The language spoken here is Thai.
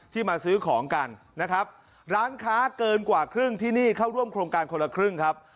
มาซื้อของกันนะครับร้านค้าเกินกว่าครึ่งที่นี่เข้าร่วมโครงการคนละครึ่งครับ